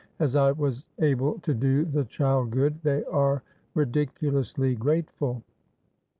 As I was able to do the child good, they are ridiculously grateful.